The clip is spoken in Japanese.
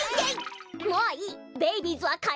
もういい！